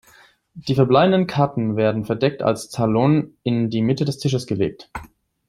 Die verbleibenden Karten werden verdeckt als Talon in die Mitte des Tisches gelegt.